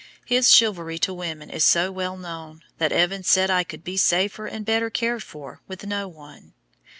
His chivalry to women is so well known, that Evans said I could be safer and better cared for with no one.